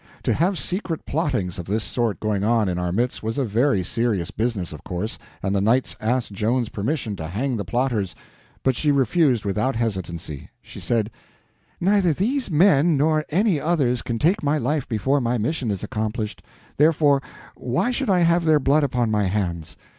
To have secret plottings of this sort going on in our midst was a very serious business, of course, and the knights asked Joan's permission to hang the plotters, but she refused without hesitancy. She said: "Neither these men nor any others can take my life before my mission is accomplished, therefore why should I have their blood upon my hands?